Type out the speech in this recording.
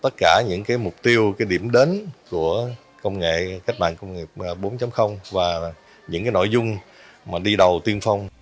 tất cả những mục tiêu điểm đến của cách mạng công nghiệp bốn và những nội dung đi đầu tuyên phong